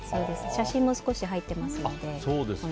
写真も少し入っていますので。